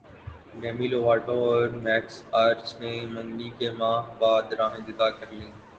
demi Lovato اور Max Ehrich نے منگنی کے ماہ بعد راہیں جدا کرلیں